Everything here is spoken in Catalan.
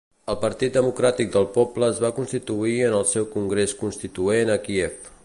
El Partit Democràtic del Poble es va constituir en el seu congrés constituent a Kíev.